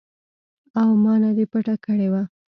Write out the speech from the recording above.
او ما نه دې پټه کړې وه.